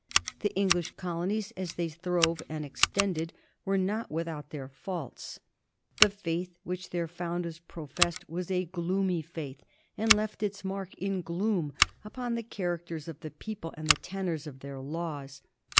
The English colonies, as they throve and extended, were not without their faults. The faith which their founders professed was a gloomy faith, and left its mark in gloom upon the characters of the peo ple and the tenor of their laws.